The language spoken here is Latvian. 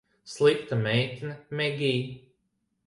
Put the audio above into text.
Slikta meitene, Megij.